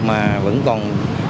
mà vẫn còn